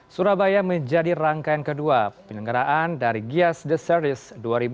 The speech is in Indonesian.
surabaya menjadi rangkaian kedua penyelenggaraan dari gias the service dua ribu dua puluh